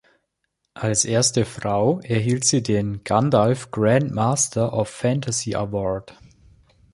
Als erste Frau erhielt sie den "Gandalf Grand Master of Fantasy Award".